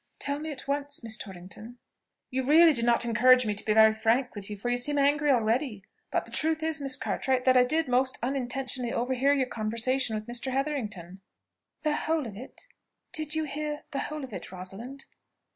Tell me at once, Miss Torrington." "You really do not encourage me to be very frank with you, for you seem angry already. But the truth is, Miss Cartwright, that I did most unintentionally overhear your conversation with Mr. Hetherington." "The whole of it? Did you hear the whole of it, Rosalind?"